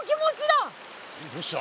どうした？